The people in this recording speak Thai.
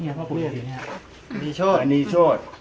นี่แหละผมอันนี้โชสอันนี้โชส